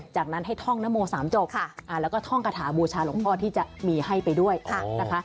จากนั้นให้ท่องนโม๓จบแล้วก็ท่องกระถาบูชาหลวงพ่อที่จะมีให้ไปด้วยนะคะ